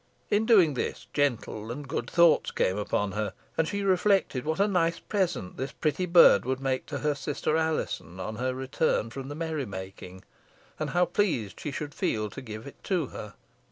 In doing this, gentle and good thoughts came upon her, and she reflected what a nice present this pretty bird would make to her sister Alizon on her return from the merry making, and how pleased she should feel to give it to her.